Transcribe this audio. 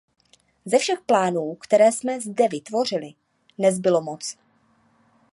Ze všech plánů, které jsme zde vytvořili, nezbylo moc.